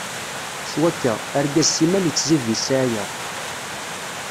Swakka, argaz simmal ittzid di ssɛaya.